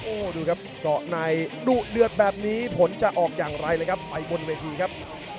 โอ้โหดูครับเกาะในดุเดือดแบบนี้ผลจะออกอย่างไรเลยครับไปบนเวทีครับ